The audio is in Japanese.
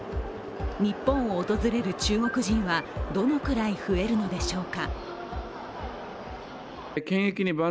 日本を訪れる中国人はどのくらい増えるのでしょうか。